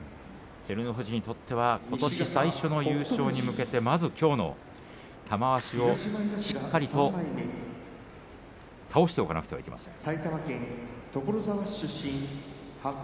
照ノ富士にとってはことし最初の優勝に向けてまずきょうの玉鷲をしっかりと倒しておかなければいけません。